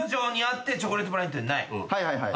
はいはいはい。